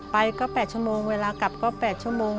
ไปก็๘ชั่วโมงเวลากลับก็๘ชั่วโมง